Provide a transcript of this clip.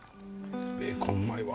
ベーコンうまいわ。